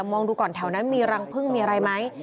มองดูก่อนแถวนั้นมีรังพึ่งมีอะไรไหม